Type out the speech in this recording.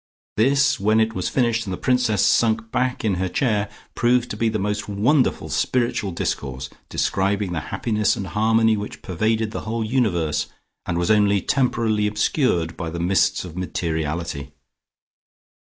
This, when it was finished and the Princess sunk back in her chair, proved to be the most wonderful spiritual discourse, describing the happiness and harmony which pervaded the whole universe, and was only temporarily obscured by the mists of materiality.